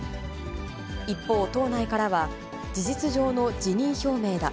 一方、党内からは、事実上の辞任表明だ。